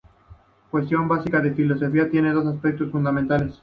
La cuestión básica en filosofía tiene dos aspectos fundamentales.